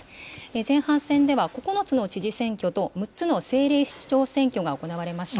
前半戦では、９つの知事選挙と６つの政令市長選挙が行われました。